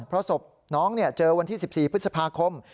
เพราะศพน้องเจอวันที่๑๔พฤษภาคม